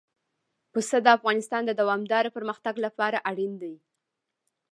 پسه د افغانستان د دوامداره پرمختګ لپاره اړین دي.